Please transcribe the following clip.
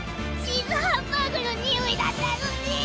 チーズハンバーグのにおいだったのに。